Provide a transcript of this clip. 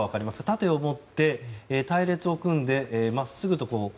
盾を持って、隊列を組んで真っすぐと。